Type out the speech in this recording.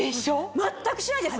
全くしないです。